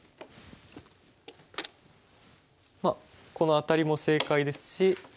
まあこのアタリも正解ですし。